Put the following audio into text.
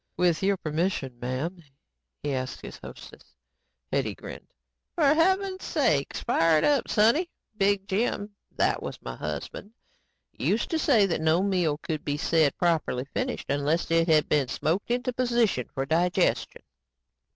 "With your permission, m'am," he asked his hostess. Hetty grinned. "For heaven's sake, fire it up, sonny. Big Jim that was my husband used to say that no meal could be said properly finished unless it had been smoked into position for digestion."